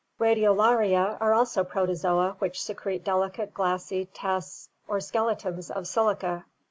Radiolaria are also Protozoa which secrete delicate glassy tests or skeletons of silica.